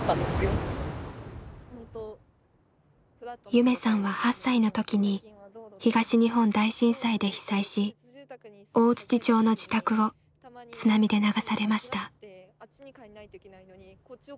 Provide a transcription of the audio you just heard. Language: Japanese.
夢さんは８歳の時に東日本大震災で被災し大町の自宅を津波で流されました。